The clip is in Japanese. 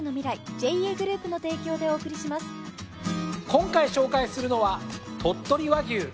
今回紹介するのは鳥取和牛。